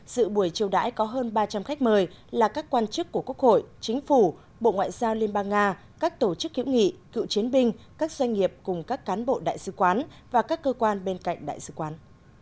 dự buổi chiều đãi có hơn ba trăm linh khách mời là các quan chức của quốc hội chính phủ bộ ngoại giao liên bang nga các tổ chức hữu nghị cựu chiến binh các doanh nghiệp cùng các cán bộ đại sứ quán và các cơ quan bên cạnh đại sứ quán